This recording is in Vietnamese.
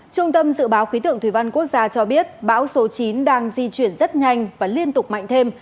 trung tâm dự báo khí tượng thủy văn quốc gia cho biết bão số chín đang di chuyển rất nhanh và liên tục mạnh thêm